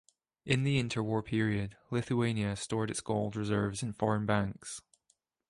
In the interwar period Lithuania stored its gold reserve in foreign banks.